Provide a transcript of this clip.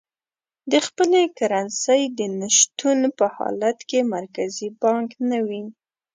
د خپلې کرنسۍ د نه شتون په حالت کې مرکزي بانک نه وي.